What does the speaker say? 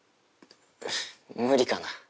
無理かな。